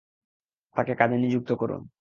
তাকে কাজে নিযুক্ত করুন।